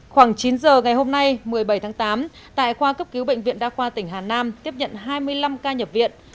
khoảng chín giờ ngày hôm nay một mươi bảy tháng tám tại khoa cấp cứu bệnh viện đa khoa tỉnh hà nam tiếp nhận hai mươi năm ca nhập viện